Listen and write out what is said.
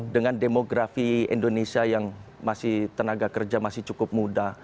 dengan demografi indonesia yang masih tenaga kerja masih cukup muda